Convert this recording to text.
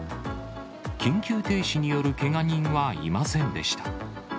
緊急停止によるけが人はいませんでした。